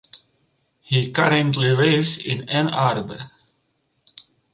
He currently lives in Ann Arbor.